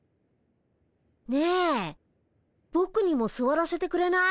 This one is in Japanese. ねえぼくにもすわらせてくれない？